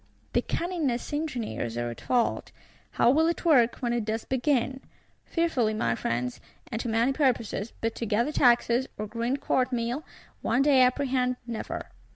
The cunningest engineers are at fault. How will it work, when it does begin? Fearfully, my Friends; and to many purposes; but to gather taxes, or grind court meal, one may apprehend, never.